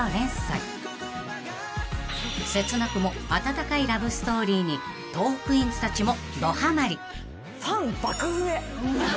［切なくも温かいラブストーリーにトークィーンズたちも］